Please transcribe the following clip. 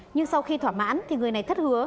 nhưng sau khi thỏa mãn người này thất hứa